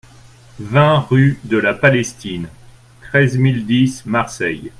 vingt rue de Palestine, treize mille dix Marseille